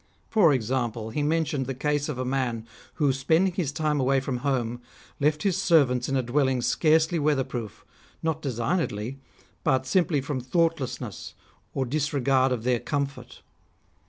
For example, he mentioned the case of a man who spending his time away from home left his servants in a dwelling scarcely weather proof, not designedly, but simply from thoughtlessness or disregard of their comfort.